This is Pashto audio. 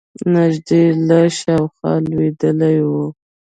نژدې له شاخه لوېدلی و.